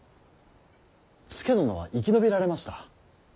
佐殿は生き延びられました。